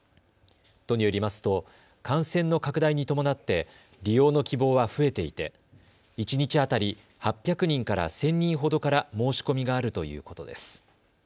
都によりますと感染の拡大に伴って利用の希望は増えていて一日当たり８００人から１０００人ほどから申し込みがあるということです。